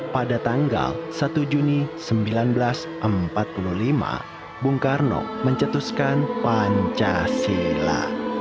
pada tanggal satu juni seribu sembilan ratus empat puluh lima bung karno mencetuskan pancasila